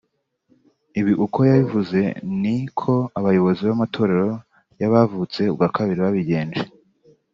Ibi uko yabivuze niko abayobozi b’amatorero y’abavutse ubwa kabiri babigenje